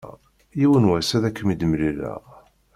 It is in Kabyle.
Yiwen was ad akem-id-mlileɣ.